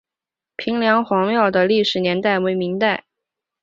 平凉隍庙的历史年代为明代。